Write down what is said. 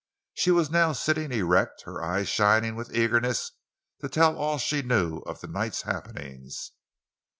She was now sitting erect, her eyes shining with eagerness to tell all she knew of the night's happenings.